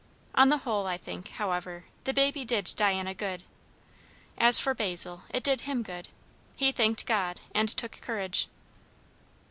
On the whole, I think, however, the baby did Diana good As for Basil, it did him good. He thanked God, and took courage.